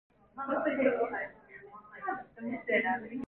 미련한 자의 생각은 죄요 거만한 자는 사람의 미움을 받느니라